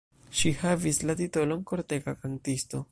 Ŝi havis la titolon "kortega kantisto".